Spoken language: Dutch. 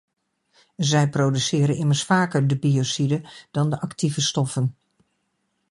Zij produceren immers vaker de biociden dan de actieve stoffen.